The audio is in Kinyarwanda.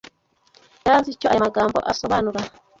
Ntabwo yari azi icyo aya magambo asobanura.